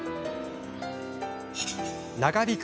長引く